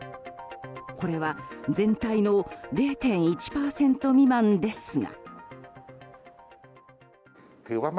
これは、全体の０．１％未満ですが。